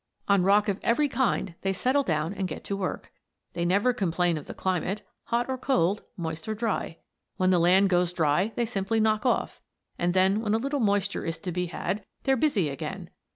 On rock of every kind they settle down and get to work. They never complain of the climate hot or cold, moist or dry. When the land goes dry they simply knock off, and then when a little moisture is to be had they're busy again.